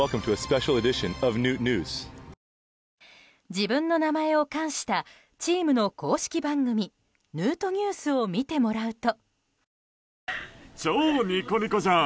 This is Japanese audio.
自分の名前を冠したチームの公式番組「ヌートＮＥＷＳ」を見てもらうと。